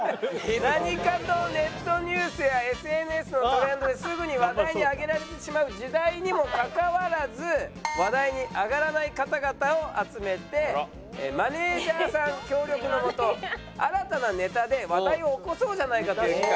何かとネットニュースやＳＮＳのトレンドですぐに話題にあげられてしまう時代にもかかわらず話題にあがらない方々を集めてマネージャーさん協力のもと新たなネタで話題を起こそうじゃないかという企画。